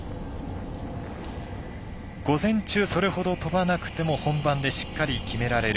午前中、それほど跳ばなくても本番でしっかり決められる。